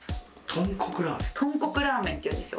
とんこくラーメンっていうんですよ。